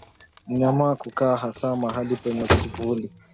Mnyama kukaa hasa mahali penye kivuli